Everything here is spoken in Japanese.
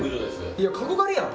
いや角刈りやん。